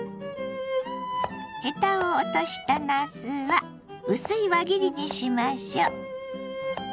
ヘタを落としたなすは薄い輪切りにしましょう。